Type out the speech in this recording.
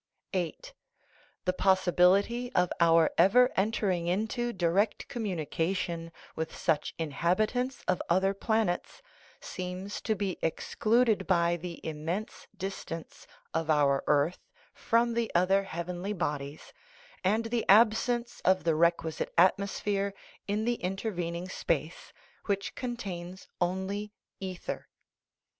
THE RIDDLE OF THE UNIVERSE VIII. The possibility of our ever entering into di rect communication with such inhabitants of other planets seems to be excluded by the immense distance of our earth from the other heavenly bodies, and the absence of the requisite atmosphere in the intervening space, which contains only ether.